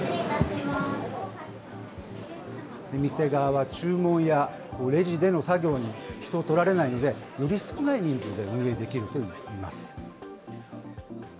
店側は注文やレジでの作業に人を取られないので、より少ない人数で運営できるといいます。